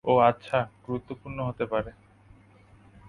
ওহ, আচ্ছা, গুরুত্বপূর্ণ হতে পারে।